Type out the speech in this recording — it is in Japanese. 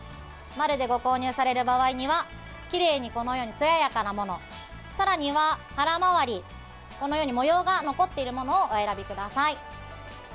丸でご購入される場合にはきれいでつややかなものさらには腹回り、模様が残っているものをお選びください。